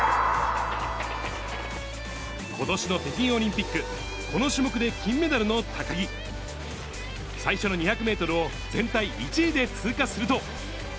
ことしの北京オリンピック、この種目で金メダルの高木。最初の２００メートルを全体１位で通過すると。